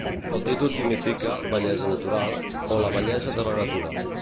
El títol significa "bellesa natural" o "la bellesa de la natura".